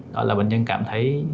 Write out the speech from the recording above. đó là bệnh nhân cảm thấy